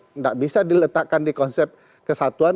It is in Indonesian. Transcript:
tidak bisa diletakkan di konsep kesatuan